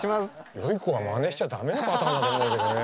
よい子はまねしちゃ駄目なパターンだと思うけどね。